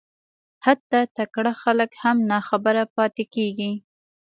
حتی تکړه خلک هم ناخبره پاتېږي